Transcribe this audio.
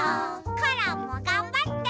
コロンもがんばって！